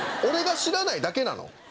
俺が知らないだけなの？